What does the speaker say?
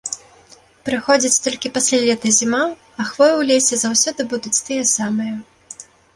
Прыходзіць толькі пасля лета зіма, а хвоі ў лесе заўсёды будуць тыя самыя.